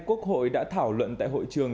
quốc hội đã thảo luận tại hội trường